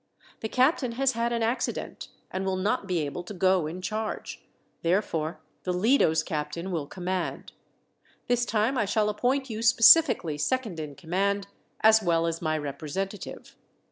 The captain has had an accident, and will not be able to go in charge, therefore the Lido's captain will command. This time I shall appoint you specifically second in command, as well as my representative.